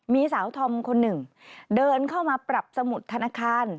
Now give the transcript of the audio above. มีสาวธอมคนหนึ่งเดินเข้ามาปรับสมุดธนาคาร